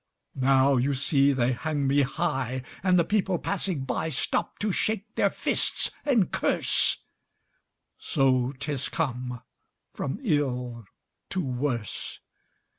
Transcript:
"Now, you see, they hang me high, And the people passing by Stop to shake their fists and curse; So 'tis come from ill to worse."